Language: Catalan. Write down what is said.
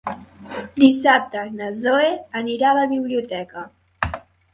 Dissabte na Zoè anirà a la biblioteca.